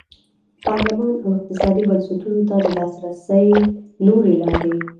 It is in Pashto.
پارلمان او اقتصادي بنسټونو ته د لاسرسي نورې لارې.